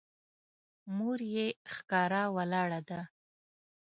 مور مې ښکاره ولاړه ده.